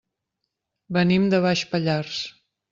Venim de Baix Pallars.